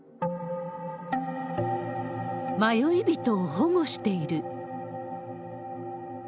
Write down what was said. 迷い人を保護している。